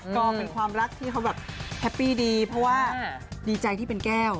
ก็เป็นความรักที่เขาแบบแฮปปี้ดีเพราะว่าดีใจที่เป็นแก้ว